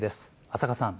浅賀さん。